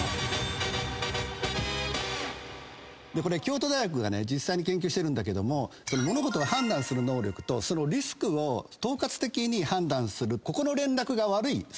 これ京都大学が実際に研究してるんだけども物事を判断する能力とリスクを統括的に判断するここの連絡が悪い。